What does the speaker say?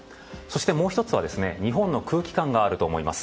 もう１つは日本の空気感があると思います。